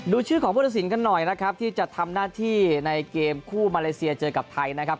ชื่อของพุทธศิลป์กันหน่อยนะครับที่จะทำหน้าที่ในเกมคู่มาเลเซียเจอกับไทยนะครับ